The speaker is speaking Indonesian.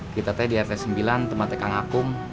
kita tadi di rt sembilan tempatnya kang akum